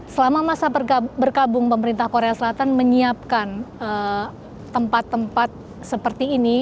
selama masa berkabung pemerintah korea selatan menyiapkan tempat tempat seperti ini